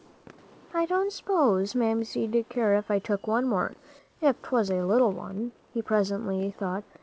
"I don't s'pose Mamsie'd care if I took one more, if 'twas a little one," he presently thought.